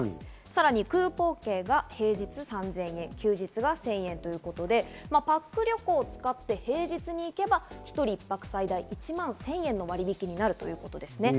さらにクーポン券は平日３０００円、休日は１０００円ということで、パック旅行を使って平日に行けば、１人一泊最大１万１０００円の割引になるということですね。